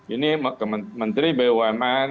ini menteri bumn